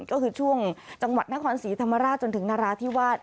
ก็คือช่วงจังหวัดนครศรีธรรมราชจนถึงนราธิวาส